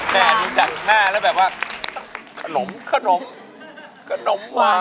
แม่หนูจัดหน้าแล้วแบบว่าขนมขนมขนมว้าง